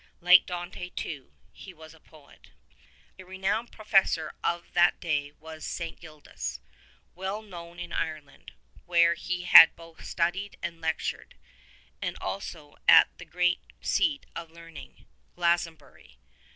Like Dante, too, he was a poet. A renowned professor of that day was St. Gildas, well known in Ireland,^ where he had both studied and lectured, and also at that great seat of learning, Glastonbury.